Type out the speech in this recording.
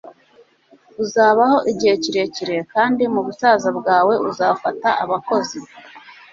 uzabaho igihe kirekire, kandi mubusaza bwawe uzafata abakozi